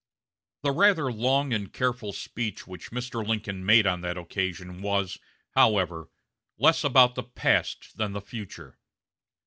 The rather long and careful speech which Mr. Lincoln made on that occasion was, however, less about the past than the future.